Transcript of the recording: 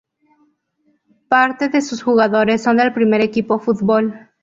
Parte de sus jugadores son del primer equipo fútbol.